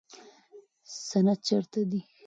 سند چیرته دی؟